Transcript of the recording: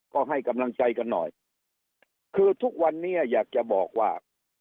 ก็ให้กำลังใจกันหน่อยคือทุกวันนี้อยากจะบอกว่า